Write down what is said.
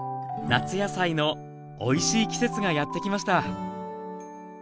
夏野菜のおいしい季節がやってきました